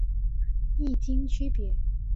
异腈区别。